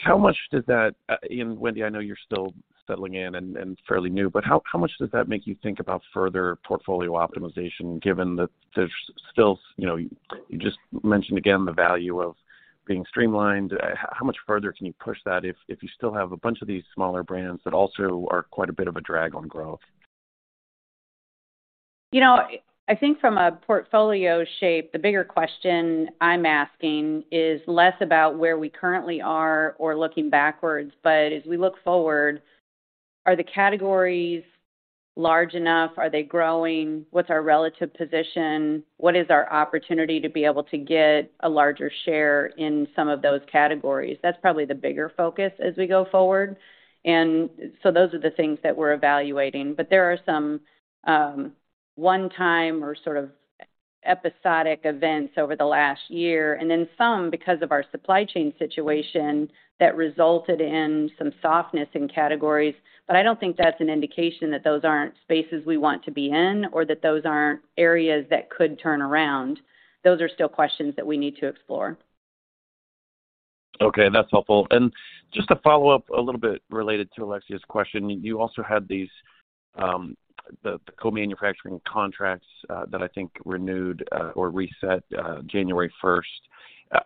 How much does that? And Wendy, I know you're still settling in and fairly new, but how much does that make you think about further portfolio optimization given that there's still, you know, you just mentioned again the value of being streamlined. How much further can you push that if you still have a bunch of these smaller brands that also are quite a bit of a drag on growth? I think from a portfolio shape, the bigger question I'm asking is less about where we currently are or looking backwards, but as we look forward, are the categories large enough? Are they growing? What's our relative position? What is our opportunity to be able to get a larger share in some of those categories? That's probably the bigger focus as we go forward. Those are the things that we're evaluating. There are some one-time or sort of episodic events over the last year, and then some because of our supply chain situation that resulted in some softness in categories. I don't think that's an indication that those aren't spaces we want to be in or that those aren't areas that could turn around. Those are still questions that we need to explore. Okay, that's helpful. Just to follow up a little bit related to Alexia's question, you also had these, the co-manufacturing contracts, that I think renewed, or reset, January first.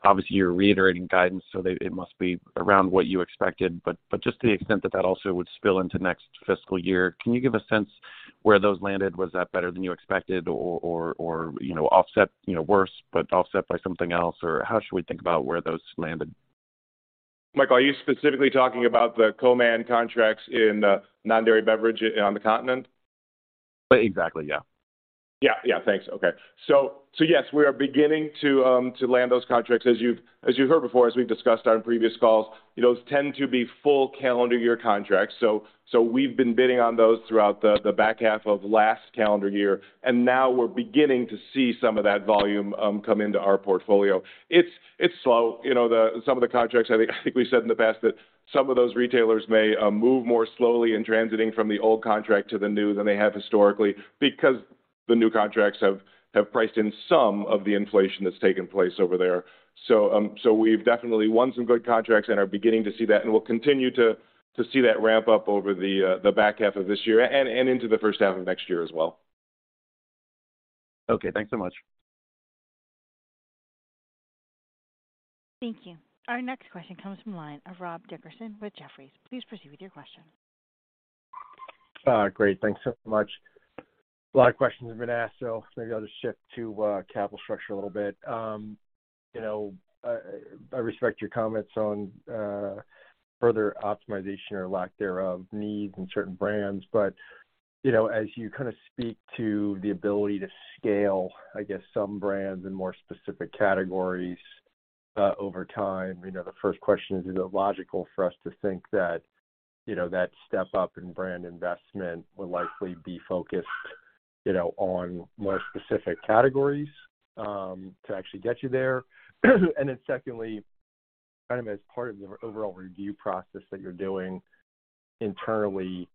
Obviously, you're reiterating guidance, so it must be around what you expected. Just to the extent that that also would spill into next fiscal year, can you give a sense where those landed? Was that better than you expected or, or, you know, offset, you know, worse, but offset by something else? How should we think about where those landed? Michael, are you specifically talking about the co-man contracts in non-dairy beverage on the continent? Exactly, yeah. Yeah. Thanks. Okay. So yes, we are beginning to land those contracts. As you've heard before, as we've discussed on previous calls, those tend to be full calendar year contracts. We've been bidding on those throughout the back half of last calendar year, and now we're beginning to see some of that volume come into our portfolio. It's slow. You know, some of the contracts, I think we said in the past that some of those retailers may move more slowly in transiting from the old contract to the new than they have historically because the new contracts have priced in some of the inflation that's taken place over there. So we've definitely won some good contracts and are beginning to see that, and we'll continue to see that ramp up over the back half of this year and into the first half of next year as well. Okay, thanks so much. Thank you. Our next question comes from the line of Rob Dickerson with Jefferies. Please proceed with your question. Great. Thanks so much. A lot of questions have been asked, so maybe I'll just shift to capital structure a little bit. You know, I respect your comments on further optimization or lack thereof needs in certain brands, but, you know, as you kinda speak to the ability to scale, I guess, some brands in more specific categories. Over time, you know, the first question, is it logical for us to think that, you know, that step up in brand investment will likely be focused, you know, on more specific categories to actually get you there? Secondly, kind of as part of the overall review process that you're doing internally,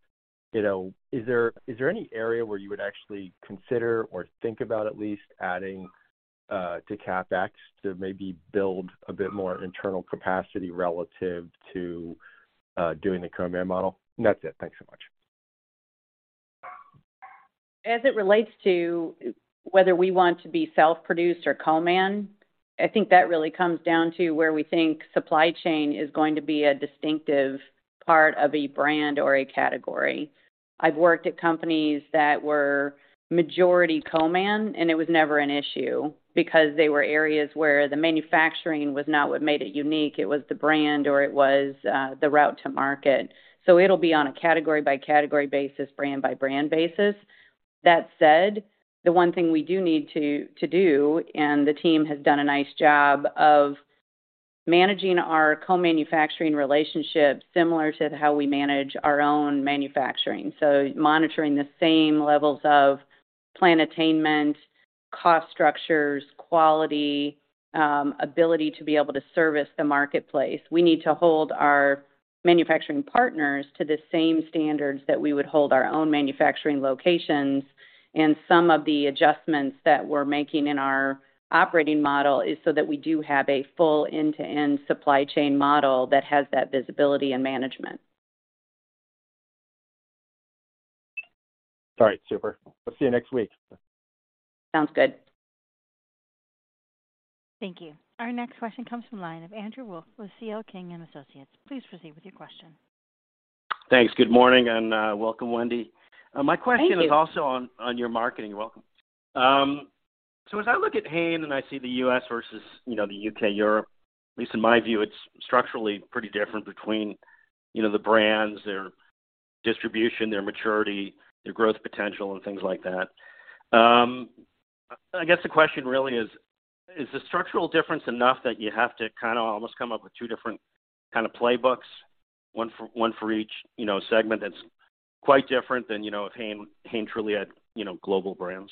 you know, is there any area where you would actually consider or think about at least adding to CapEx to maybe build a bit more internal capacity relative to doing the co-man model? That's it. Thanks so much. As it relates to whether we want to be self-produced or co-man, I think that really comes down to where we think supply chain is going to be a distinctive part of a brand or a category. I've worked at companies that were majority co-man, and it was never an issue because they were areas where the manufacturing was not what made it unique, it was the brand or it was the route to market. It'll be on a category-by-category basis, brand-by-brand basis. That said, the one thing we do need to do, and the team has done a nice job of managing our co-manufacturing relationships similar to how we manage our own manufacturing. Monitoring the same levels of plan attainment, cost structures, quality, ability to be able to service the marketplace. We need to hold our manufacturing partners to the same standards that we would hold our own manufacturing locations. Some of the adjustments that we're making in our operating model is so that we do have a full end-to-end supply chain model that has that visibility and management. All right. Super. We'll see you next week. Sounds good. Thank you. Our next question comes from line of Andrew Wolf with C.L. King & Associates. Please proceed with your question. Thanks. Good morning, and welcome, Wendy. Thank you. My question is also on your marketing. You're welcome. As I look at Hain and I see the U.S. versus, you know, the U.K., Europe, at least in my view, it's structurally pretty different between, you know, the brands, their distribution, their maturity, their growth potential and things like that. I guess the question really is the structural difference enough that you have to kind of almost come up with two different kind of playbooks, one for each, you know, segment that's quite different than, you know, if Hain truly had, you know, global brands?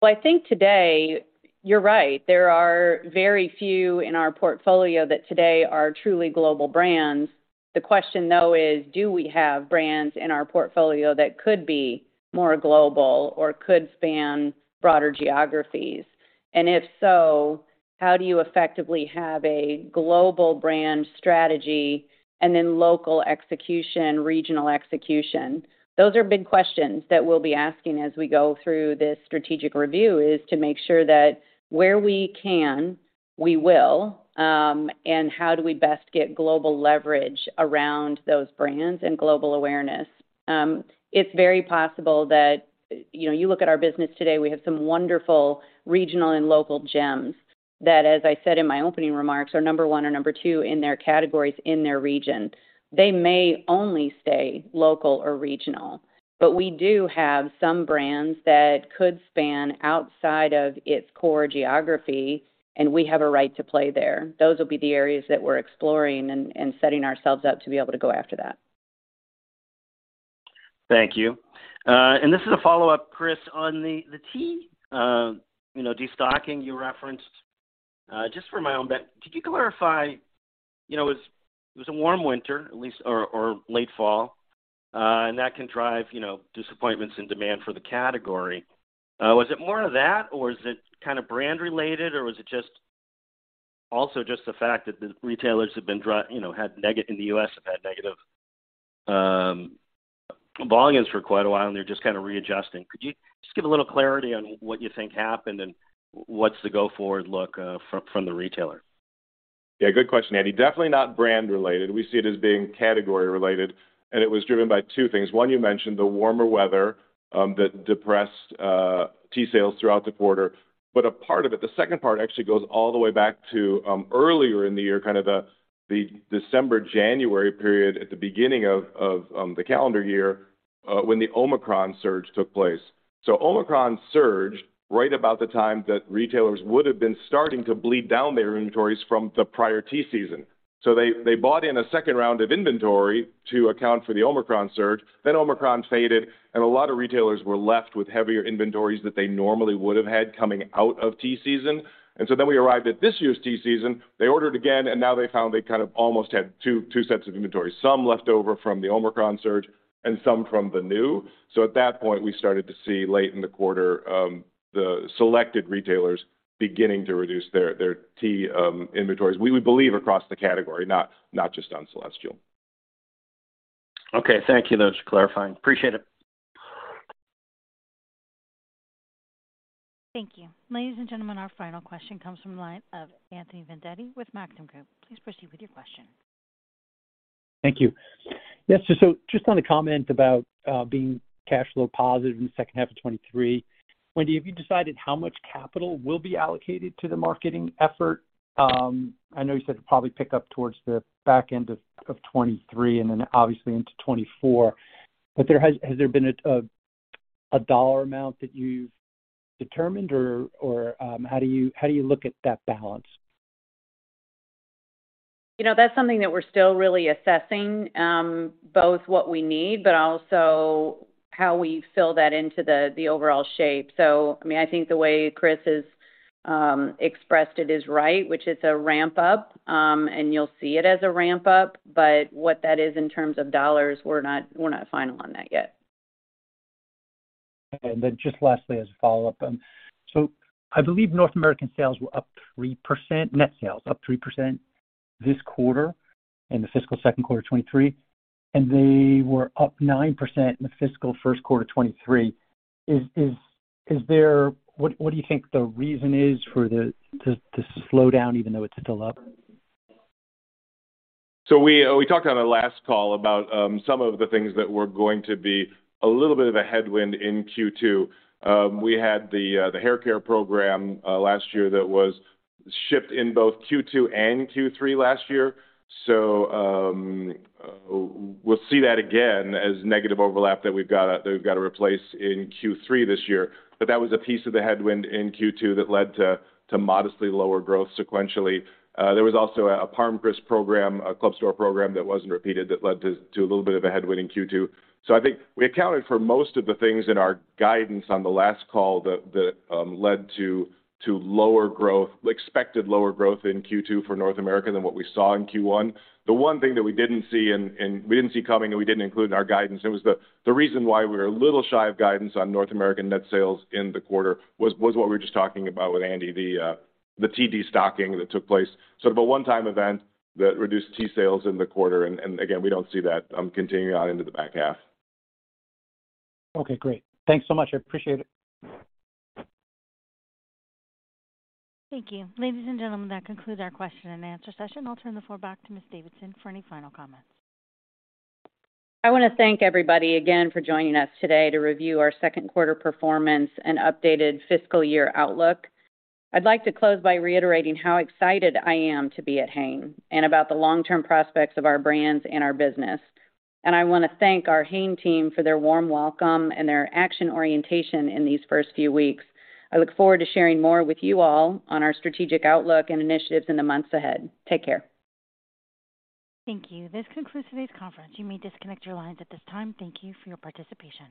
Well, I think today, you're right. There are very few in our portfolio that today are truly global brands. The question, though, is do we have brands in our portfolio that could be more global or could span broader geographies? If so, how do you effectively have a global brand strategy and then local execution, regional execution? Those are big questions that we'll be asking as we go through this strategic review is to make sure that where we can, we will, and how do we best get global leverage around those brands and global awareness. It's very possible that you look at our business today, we have some wonderful regional and local gems that, as I said in my opening remarks, are number one or number two in their categories in their region. They may only stay local or regional, but we do have some brands that could span outside of its core geography, and we have a right to play there. Those will be the areas that we're exploring and setting ourselves up to be able to go after that. Thank you. This is a follow-up, Chris, on the tea, you know, destocking you referenced. Just for my own bet, could you clarify, you know, it was a warm winter at least or late fall, that can drive, you know, disappointments in demand for the category. Was it more of that or is it kind of brand related or was it just also just the fact that the retailers in the U.S., have had negative volumes for quite a while and they're just kinda readjusting? Could you just give a little clarity on what you think happened and what's the go-forward look from the retailer? Good question, Andy. Definitely not brand related. We see it as being category related, and it was driven by two things. One, you mentioned the warmer weather, that depressed tea sales throughout the quarter. A part of it, the second part actually goes all the way back to earlier in the year, kind of the December-January period at the beginning of the calendar year, when the Omicron surge took place. Omicron surged right about the time that retailers would have been starting to bleed down their inventories from the prior tea season. They bought in a second round of inventory to account for the Omicron surge. Omicron faded, and a lot of retailers were left with heavier inventories that they normally would have had coming out of tea season. We arrived at this year's tea season. They ordered again, and now they found they kind of almost had two sets of inventories, some left over from the Omicron surge and some from the new. At that point, we started to see late in the quarter, the selected retailers beginning to reduce their tea inventories. We would believe across the category, not just on Celestial. Okay, thank you. That was clarifying. Appreciate it. Thank you. Ladies and gentlemen, our final question comes from the line of Anthony Vendetti with Maxim Group. Please proceed with your question. Thank you. Yes, just on a comment about being cash flow positive in the second half of 2023. Wendy, have you decided how much capital will be allocated to the marketing effort? I know you said to probably pick up towards the back end of 2023 and then obviously into 2024. Has there been a dollar amount that you've determined or how do you look at that balance? You know, that's something that we're still really assessing, both what we need, but also how we fill that into the overall shape. I think the way Chris has expressed it is right, which is a ramp up, and you'll see it as a ramp up, but what that is in terms of dollars, we're not final on that yet. Just lastly, as a follow-up. I believe North American sales were up 3%, net sales up 3% this quarter in the fiscal 2Q23, and they were up 9% in the fiscal 1Q23. What do you think the reason is for the slow down even though it's still up? We talked on our last call about some of the things that were going to be a little bit of a headwind in Q2. We had the hair care program last year that was shipped in both Q2 and Q3 last year. We'll see that again as negative overlap that we've got to replace in Q3 this year. That was a piece of the headwind in Q2 that led to modestly lower growth sequentially. There was also a ParmCrisps program, a club store program that wasn't repeated that led to a little bit of a headwind in Q2. I think we accounted for most of the things in our guidance on the last call that led to lower growth, expected lower growth in Q2 for North America than what we saw in Q1. The one thing that we didn't see and we didn't see coming, and we didn't include in our guidance, it was the reason why we were a little shy of guidance on North American net sales in the quarter was what we were just talking about with Andy, the tea destocking that took place. Sort of a one-time event that reduced tea sales in the quarter. Again, we don't see that continuing on into the back half. Okay, great. Thanks so much. I appreciate it. Thank you. Ladies and gentlemen, that concludes our question and answer session. I'll turn the floor back to Ms. Davidson for any final comments. I wanna thank everybody again for joining us today to review our second quarter performance and updated fiscal year outlook. I'd like to close by reiterating how excited I am to be at Hain and about the long-term prospects of our brands and our business. I want to thank our Hain team for their warm welcome and their action orientation in these first few weeks. I look forward to sharing more with you all on our strategic outlook and initiatives in the months ahead. Take care. Thank you. This concludes today's conference. You may disconnect your lines at this time. Thank you for your participation.